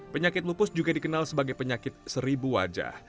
penyakit lupus juga dikenal sebagai penyakit seribu wajah